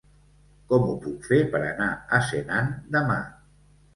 Com ho puc fer per anar a Senan demà?